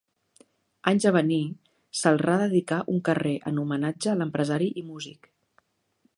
Anys a venir, Celrà dedicà un carrer en homenatge a l'empresari i músic.